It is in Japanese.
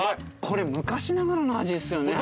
これ昔ながらの味っすよね。